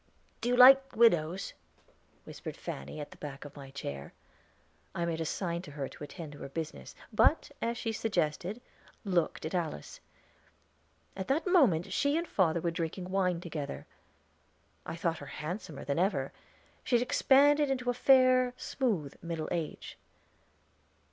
"Do you like widows?" whispered Fanny at the back of my chair. I made a sign to her to attend to her business, but, as she suggested, looked at Alice. At that moment she and father were drinking wine together. I thought her handsomer than ever; she had expanded into a fair, smooth middle age.